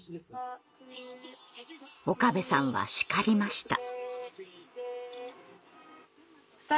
岡部さんは叱りました。